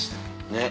ねっ。